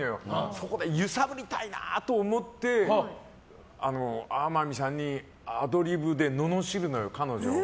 そこで揺さぶりたいなと思って天海さんにアドリブで罵るのよ、彼女を。